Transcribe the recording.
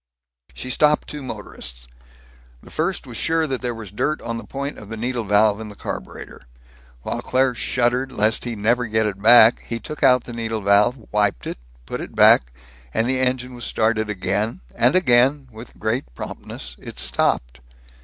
She stopped two motorists. The first was sure that there was dirt on the point of the needle valve, in the carburetor. While Claire shuddered lest he never get it back, he took out the needle valve, wiped it, put it back and the engine was again started, and again, with great promptness, it stopped.